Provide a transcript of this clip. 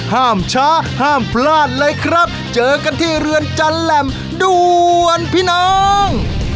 ห้ามช้าห้ามพลาดเลยครับเจอกันที่เรือนจันแหล่มด่วนพี่น้อง